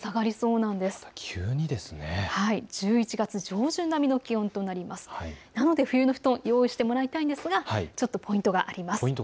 なので冬の布団を用意してもらいたいんですがポイントがあります。